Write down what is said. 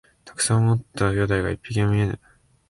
たくさんおった兄弟が一匹も見えぬ